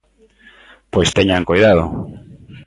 Pois teñan coidado.